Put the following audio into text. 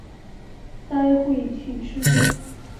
待会去吃冰